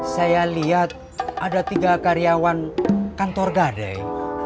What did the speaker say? saya liat ada tiga karyawan kantor gadai